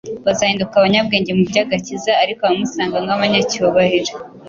bazahinduka abanyabwenge mu by’agakiza; ariko abamusanga nk’abanyacyubahiro,